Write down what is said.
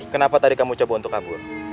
kenapa tadi kamu coba untuk kabur